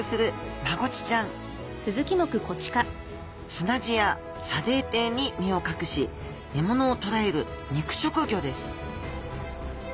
砂地や砂泥底に身を隠し獲物を捕らえる肉食魚です